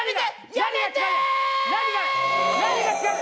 やめて！